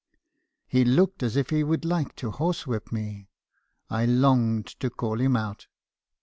"He looked as if he would like to horse whip me. I longed to call him out.